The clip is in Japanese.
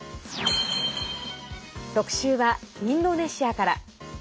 特集は、インドネシアから。